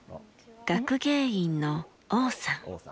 学芸員の王さん。